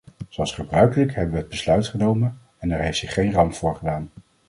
Zoals gebruikelijk hebben we het besluit genomen en er heeft zich geen ramp voorgedaan.